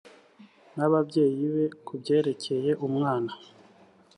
n ababyeyi be ku byerekeye umwana